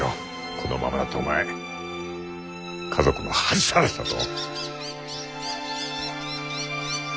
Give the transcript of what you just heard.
このままだとお前家族の恥さらしだぞ。